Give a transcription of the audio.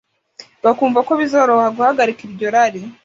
bakumva ko bizoroha guhagarika iryo rari